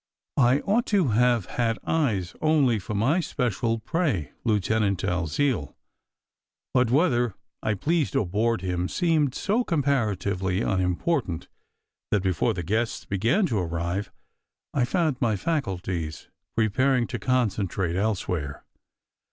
SECRET HISTORY 67 I ought to have had eyes only for my special prey, Lieutenant Dalziel; but whether I pleased or bored him seemed so comparatively unimportant, that before the guests began to arrive, I found my faculties preparing to concentrate elsewhere.